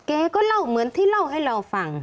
แกก็เล่าเหมือนที่เล่าให้เราฟัง